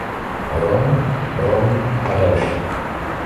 Rom, Prom a další